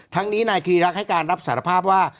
ทั้งนี้นายคีรักษ์ให้การรับสารภาพว่า